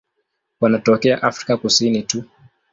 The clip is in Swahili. Wanatokea Afrika Kusini tu.